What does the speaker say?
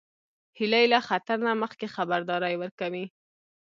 هیلۍ له خطر نه مخکې خبرداری ورکوي